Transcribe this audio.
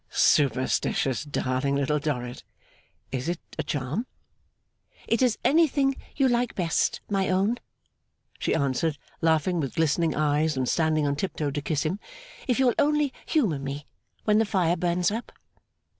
'Superstitious, darling Little Dorrit? Is it a charm?' 'It is anything you like best, my own,' she answered, laughing with glistening eyes and standing on tiptoe to kiss him, 'if you will only humour me when the fire burns up.